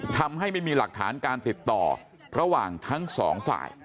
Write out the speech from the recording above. ทำให้ไม่มีหลักฐานการติดต่อระหว่างทั้งสองฝ่าย